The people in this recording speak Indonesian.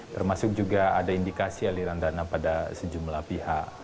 termasuk juga ada indikasi aliran dana pada sejumlah pihak